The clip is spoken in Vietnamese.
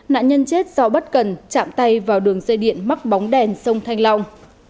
nạn nhân chết do bất cần chạm tay vào đường dây điện mắc bóng đèn sông thanh long